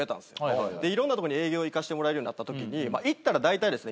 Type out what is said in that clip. いろんなとこに営業行かしてもらえるようになったときに行ったらだいたいですね